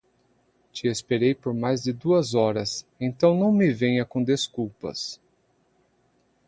Te esperei por mais de duas horas, então não me venha com desculpas.